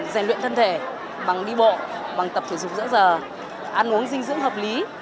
rèn luyện thân thể bằng đi bộ bằng tập thể dục giữa giờ ăn uống dinh dưỡng hợp lý